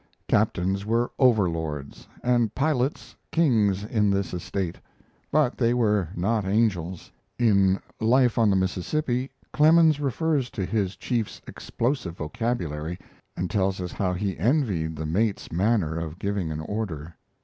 Captains were overlords, and pilots kings in this estate; but they were not angels. In Life on the Mississippi Clemens refers to his chief's explosive vocabulary and tells us how he envied the mate's manner of giving an order.